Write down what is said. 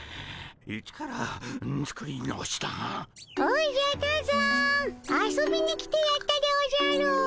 おじゃ多山遊びに来てやったでおじゃる。